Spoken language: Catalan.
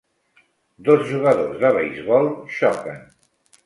Dos jugadors de beisbol xoquen.